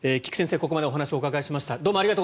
ここまでお話をお伺いしました。